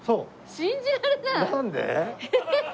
信じられない！